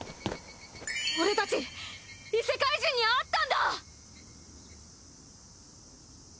俺たち異世界人に会ったんだ！